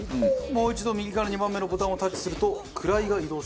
もう一度右から２番目のボタンをタッチすると位が移動します。